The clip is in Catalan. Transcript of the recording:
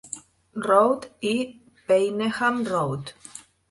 Road i Payneham Road.